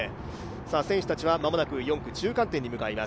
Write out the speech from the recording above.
選手たちは間もなく４区中間点に向かいます。